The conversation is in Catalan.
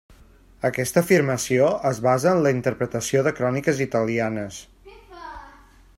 Aquesta afirmació es basa en la interpretació de cròniques italianes.